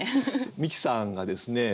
美紀さんがですね